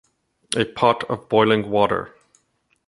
A pot of boiling water